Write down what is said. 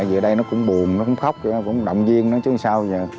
về đây nó cũng buồn nó cũng khóc nó cũng động viên nó chứ sao vậy